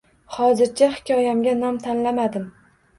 Hozircha hikoyamga nom tanlamadim